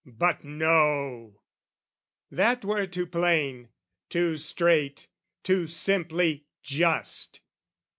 But no! That were too plain, too straight, too simply just!